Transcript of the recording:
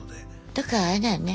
だからあれだよね